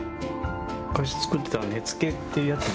昔作ってた根付っていうやつで。